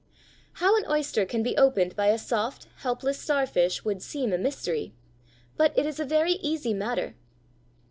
How an oyster can be opened by a soft, helpless starfish would seem a mystery; but it is a very easy matter.